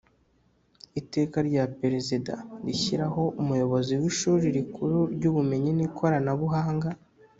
Iteka rya Perezida rishyiraho Umuyobozi w Ishuri rikuru ry Ubumenyi n Ikoranabuhanga